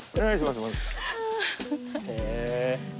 へえ。